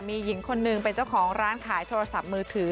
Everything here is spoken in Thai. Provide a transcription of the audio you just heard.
มีหญิงคนหนึ่งเป็นเจ้าของร้านขายโทรศัพท์มือถือ